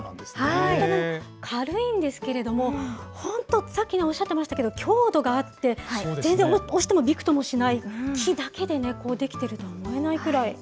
軽いんですけれども、本当、さっきおっしゃってましたけど、強度があって、全然押してもびくともしない、木だけでね、出来てるとは思えないくらい。